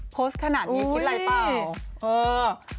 โพสต์ขนาดนี้คิดอะไรเปล่าเออ